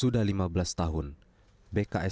bagaimana cara menguruskan kekuatan ini